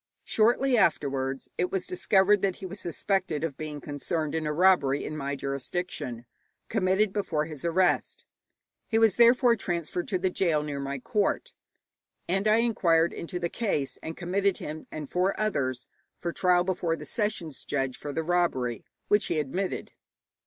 Shortly afterwards it was discovered that he was suspected of being concerned in a robbery in my jurisdiction, committed before his arrest. He was therefore transferred to the gaol near my court, and I inquired into the case, and committed him and four others for trial before the sessions judge for the robbery, which he admitted.